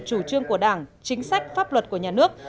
chủ trương của đảng chính sách pháp luật của nhà nước